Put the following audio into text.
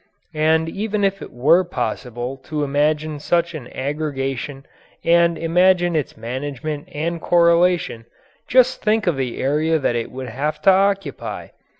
And even if it were possible to imagine such an aggregation and imagine its management and correlation, just think of the area that it would have to occupy!